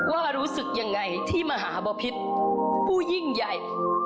ว่ารู้สึกยังไงที่มหาบพิษผู้ยิ่งใหญ่